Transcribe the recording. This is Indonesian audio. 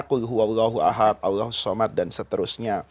kul huwa ullahu ahad allahus somat dan seterusnya